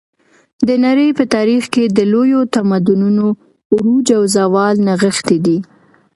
د نړۍ په تاریخ کې د لویو تمدنونو عروج او زوال نغښتی دی.